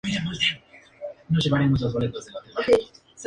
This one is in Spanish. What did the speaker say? Cuando se desea mínimo consumo, con el motor ya caliente, se ajusta mezcla pobre.